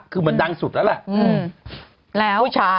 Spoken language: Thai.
คือมันดังสุดแล้วล่ะ